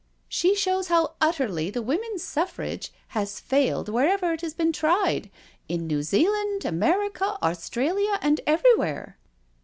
She shows how utterly the Women's Suffrage has failed wherever it has been tried— in New Zealand^ Americai Australia, and every where."